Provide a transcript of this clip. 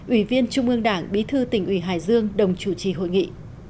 ủy viên trung ương đảng bí thư tỉnh ủy hải dương đồng chủ trì hội nghị